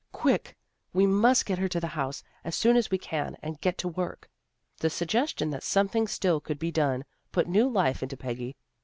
" Quick! We must get her to the house, as soon as we can, and get to work." The suggestion that something still could be done, put new life into Peggy.